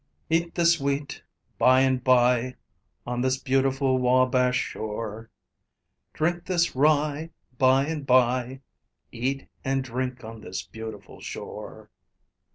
Eat this wheat, by and by, On this beautiful Wabash shore, Drink this rye, by and by, Eat and drink on this beautiful shore."